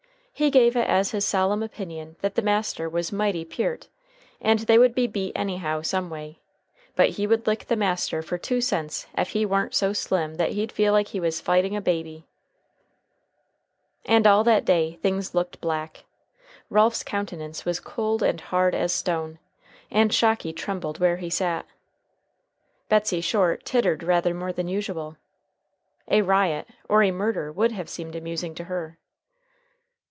He gave it as his solemn opinion that the master was mighty peart, and they would be beat anyhow some way, but he would lick the master fer two cents ef he warn't so slim that he'd feel like he was fighting a baby. And all that day things looked black. Ralph's countenance was cold and hard as stone, and Shocky trembled where he sat. Betsey Short tittered rather more than usual. A riot or a murder would have seemed amusing to her.